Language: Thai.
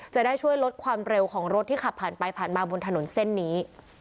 จะได้ช่วยลดความเร็วของรถที่ขับผ่านไปผ่านมาบนถนนเส้นนี้